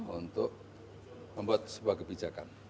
untuk membuat sebuah kebijakan